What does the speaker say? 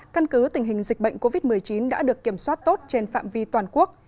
căn cứ tình hình dịch bệnh covid một mươi chín đã được kiểm soát tốt trên phạm vi toàn quốc